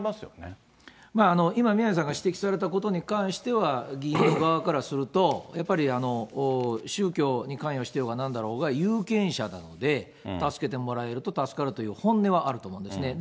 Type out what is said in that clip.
今、宮根さんが指摘されたことに関しては、議員の側からすると、やっぱり宗教に関与してようがなんだろうが有権者なので、助けてもらえると助かるという本音はあると思うんですね。